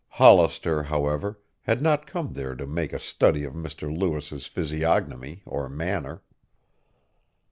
Hollister, however, had not come there to make a study of Mr. Lewis' physiognomy or manner.